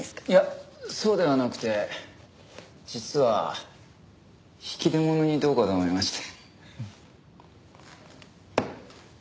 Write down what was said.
いやそうではなくて実は引き出物にどうかと思いまして。